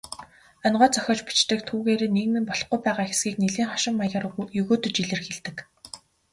Онигоо зохиож бичдэг, түүгээрээ нийгмийн болохгүй байгаа хэсгийг нэлээн хошин маягаар егөөдөж илэрхийлдэг.